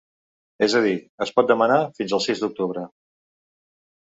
És a dir, es pot demanar fins al sis d’octubre.